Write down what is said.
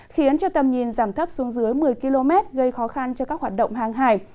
khiến cho tầm nhìn giảm thấp xuống dưới một mươi km gây khó khăn cho các hoạt động hàng hải